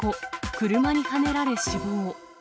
車にはねられ死亡。